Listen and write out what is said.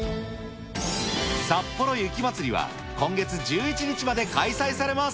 さっぽろ雪まつりは、今月１１日まで開催されます。